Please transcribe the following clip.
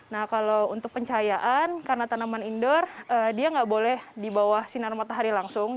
nah kalau untuk pencahayaan karena tanaman indoor dia nggak boleh di bawah sinar matahari langsung